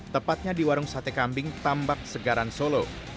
tepatnya di warung sate kambing tambak segaran solo